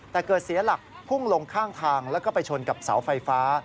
แต่เกิดเสียหลักพุ่งลงข้างทางแล้วก็ไปชนกับเสาไฟฟ้า